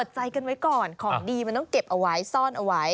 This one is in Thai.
ใจกันไว้ก่อนของดีมันต้องเก็บเอาไว้ซ่อนเอาไว้